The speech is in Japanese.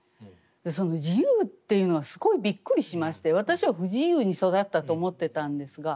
その「自由」というのがすごいびっくりしまして私は不自由に育ったと思ってたんですが。